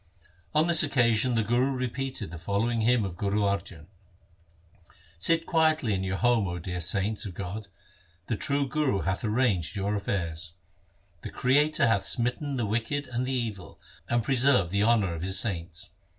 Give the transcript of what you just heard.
On this occasion the Guru repeated the following hymn of Guru Arjan :— Sit quietly in your homes, O dear saints of God ; The True Guru hath arranged your affairs. The Creator hath smitten the wicked and the evil, And preserved the honour of His saints.